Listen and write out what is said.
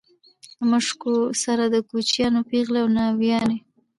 له مشکونو سره د کوچیانو پېغلې او ناويانې.